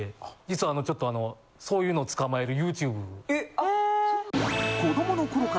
実はちょっとそういうの捕まえるＹｏｕＴｕｂｅ。